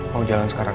mau jalan sekarang